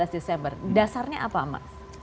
dua belas desember dasarnya apa mas